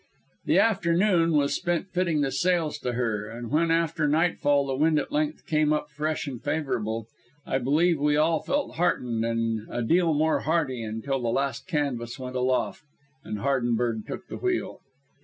The afternoon was spent fitting on the sails to her, and when after nightfall the wind at length came up fresh and favourable, I believe we all felt heartened and a deal more hardy until the last canvas went aloft, and Hardenberg took the wheel.